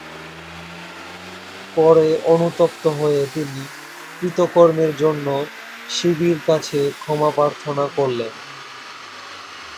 পরে অনুতপ্ত হয়ে তিনি কৃতকর্মের জন্য শিবের কাছে ক্ষমা প্রার্থনা করলেন।